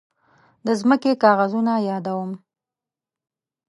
د ځمکې کاغذونه يادوم.